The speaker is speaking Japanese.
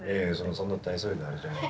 そんな大それたあれじゃない。